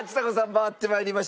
回ってまいりました。